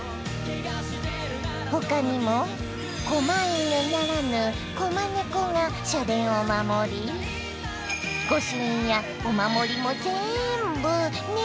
ほかにもこま犬ならぬこま猫が社殿を守り御朱印やお守りもぜんぶネコ！